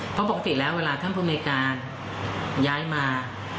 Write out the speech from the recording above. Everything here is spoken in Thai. เพราะปกติแล้วเวลาท่านภูมิในการย้ายมา